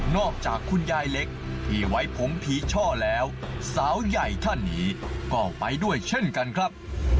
คุณยายเล็กที่ไว้ผมผีช่อแล้วสาวใหญ่ท่านนี้ก็ไปด้วยเช่นกันครับ